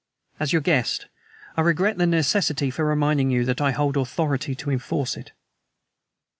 "As your guest, I regret the necessity for reminding you that I hold authority to enforce it."